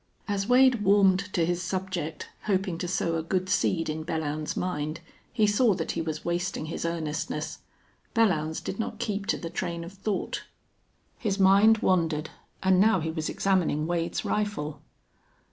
As Wade warmed to his subject, hoping to sow a good seed in Belllounds's mind, he saw that he was wasting his earnestness. Belllounds did not keep to the train of thought. His mind wandered, and now he was examining Wade's rifle.